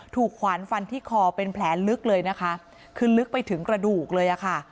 ขวานฟันที่คอเป็นแผลลึกเลยนะคะคือลึกไปถึงกระดูกเลยอะค่ะ